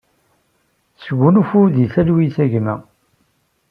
Sgunfu di talwit, a gma!